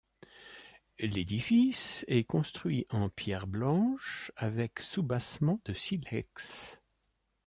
L'édifice est construit en pierre blanche avec soubassement de silex.